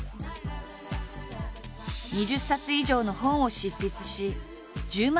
２０冊以上の本を執筆し１０万